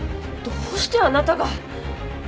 どうしてあなたが。